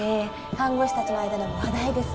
看護師たちの間でも話題です